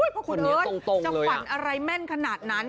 เหรอคุณเอิชจะฝันอะไรแม่นขนาดนั้น